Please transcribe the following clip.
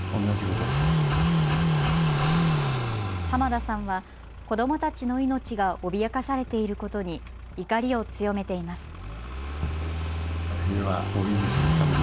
濱田さんは子どもたちの命が脅かされていることに怒りを強めています。